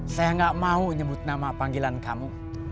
saya gak mau nyebut nama panggilan kamu